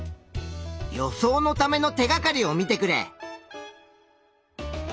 予想のための手がかりを見てくれ。